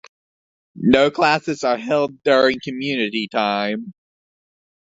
No classes are held during community time.